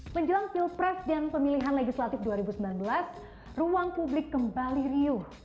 menjelang pilpres dan pemilihan legislatif dua ribu sembilan belas ruang publik kembali riuh